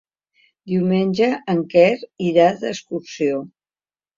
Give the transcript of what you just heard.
Diumenge en Quer irà d'excursió.